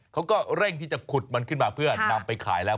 เขาก็เร่งที่จะขุดมันขึ้นมาเพื่อนำไปขายแล้ว